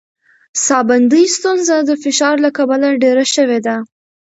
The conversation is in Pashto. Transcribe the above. ساه بندي ستونزه د فشار له کبله ډېره شوې ده.